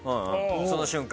その瞬間？